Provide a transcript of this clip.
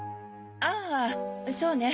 ああそうね。